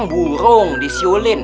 emang burung disiulin